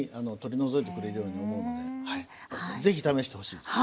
ぜひ試してほしいです。